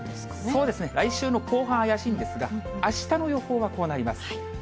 そうですね、来週の後半、怪しいんですが、あしたの予報はこうなります。